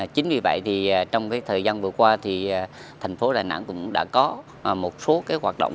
chính vì vậy thì trong thời gian vừa qua thì thành phố đà nẵng cũng đã có một số hoạt động